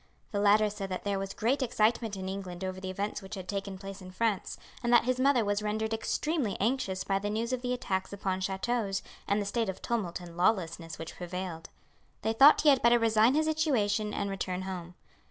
The latter said that there was great excitement in England over the events which had taken place in France, and that his mother was rendered extremely anxious by the news of the attacks upon chateaux, and the state of tumult and lawlessness which prevailed. They thought he had better resign his situation and return home.